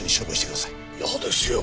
嫌ですよ。